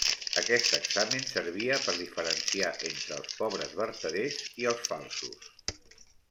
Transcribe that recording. Aquest examen servia per diferenciar entre els pobres vertaders i els falsos.